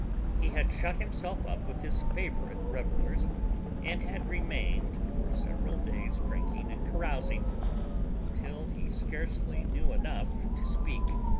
He had shut himself up with his favorite revelers, and had remained for several days drinking and carousing until he scarcely knew enough to speak.